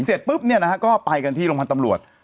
เสร็จปุ๊บเนี่ยนะฮะก็ไปกันที่โรงพยาบาลตำรวจ